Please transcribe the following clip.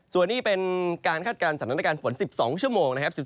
ส่วนนี้เป็นการคาดการณ์สถานการณ์ฝน๑๒ชั่วโมงนะครับ